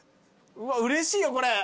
うれしいよこれ。